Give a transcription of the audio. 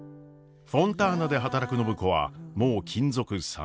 フォンターナで働く暢子はもう勤続３年目。